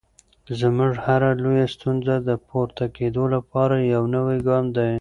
زموږ هره لویه ستونزه د پورته کېدو لپاره یو نوی ګام دی.